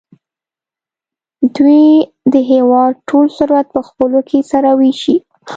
دوی د هېواد ټول ثروت په خپلو کې سره وېشي.